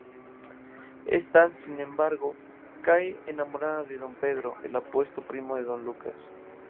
Ésta sin embargo, cae enamorada de Don Pedro, el apuesto primo de Don Lucas.